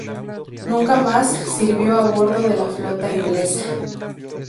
Nunca más sirvió a bordo de la flota inglesa.